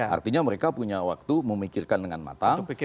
artinya mereka punya waktu memikirkan dengan matang